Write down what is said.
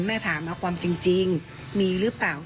แม่ถามนะความจริงมีหรือเปล่า